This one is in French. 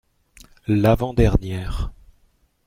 L’avant-dernière.